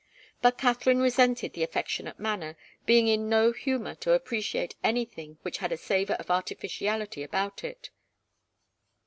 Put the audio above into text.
But Katharine resented the affectionate manner, being in no humour to appreciate anything which had a savour of artificiality about it.